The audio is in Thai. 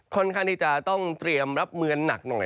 ค่อนข้างที่จะต้องเตรียมรับมือหนักหน่อย